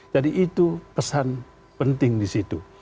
jadi itu pesan penting di situ